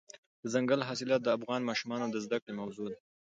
دځنګل حاصلات د افغان ماشومانو د زده کړې موضوع ده.